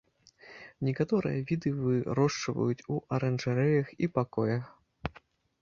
Некаторыя віды вырошчваюць у аранжарэях і пакоях.